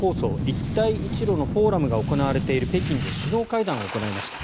一帯一路のフォーラムが行われている北京で首脳会談を行いました。